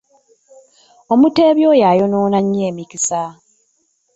Omuteebi oyo ayonoona nnyo emikisa.